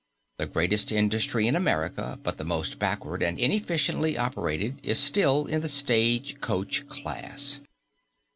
The greatest industry in America but the most backward and inefficiently operated, is still in the stage coach class.